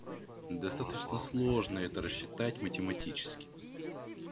Достаточно сложно это рассчитать математически